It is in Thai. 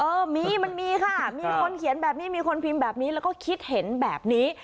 เออมีมันมีค่ะมีคนเขียนแบบนี้มีคนพิมพ์แบบนี้แล้วก็คิดเห็นแบบนี้